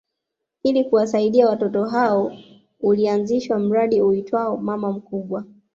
Ili kuwasaidia watoto hao ulianzishwa mradi uitwao Mama Mkubwa